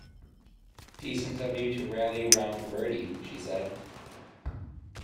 "Decent of you to rally round, Bertie," she said.